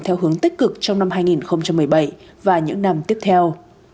theo hướng tích cực trong năm hai nghìn một mươi bảy và những năm tiếp theo